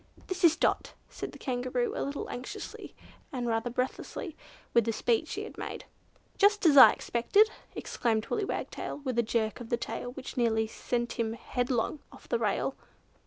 "This is Dot," said the Kangaroo a little anxiously, and rather breathless with the speed she had made. "Just as I had expected!" exclaimed Willy Wagtail, with a jerk of the tail which nearly sent him headlong off the rail.